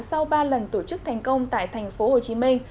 sau ba lần tổ chức thành công tại thành phố hồ chí minh